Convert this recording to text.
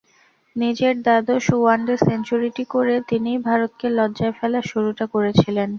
নিজের দ্বাদশ ওয়ানডে সেঞ্চুরিটি করে তিনিই ভারতকে লজ্জায় ফেলার শুরুটা করেছিলেন।